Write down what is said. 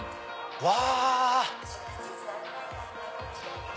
うわ！